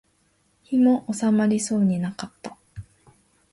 火も納まりそうもなかった